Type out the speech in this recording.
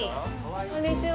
こんにちは。